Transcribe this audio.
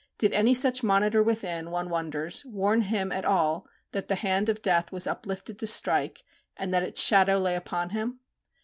Did any such monitor within, one wonders, warn him at all that the hand of death was uplifted to strike, and that its shadow lay upon him?